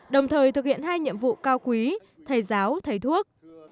đồng thời thực hiện hai nhiệm vụ cao quý thầy giáo thầy thuốc